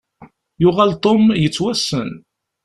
Yuɣal Tom yettwassen.